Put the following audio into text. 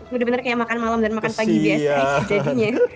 bener bener kayak makan malam dan makan pagi biasanya jadinya